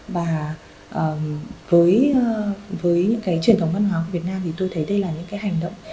và với những truyền thống văn hóa của việt nam thì tôi thấy đây là những hành động